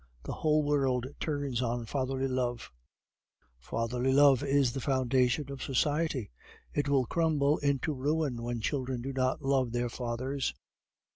The whole world turns on fatherly love; fatherly love is the foundation of society; it will crumble into ruin when children do not love their fathers.